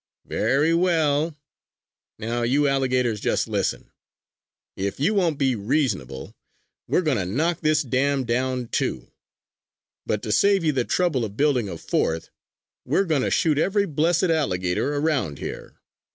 "Very well! Now you alligators just listen! If you won't be reasonable, we are going to knock this dam down, too. But to save you the trouble of building a fourth, we are going to shoot every blessed alligator around here.